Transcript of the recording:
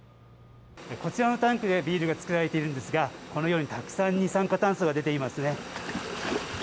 こちらのタンクでビールが造られているんですが、このようにたくさん二酸化炭素が出ていますね。